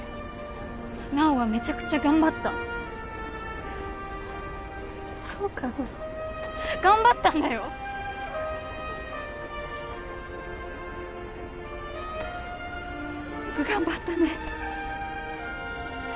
菜緒はめちゃくちゃ頑張ったそうかな頑張ったんだよよく頑張ったね